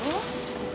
えっ。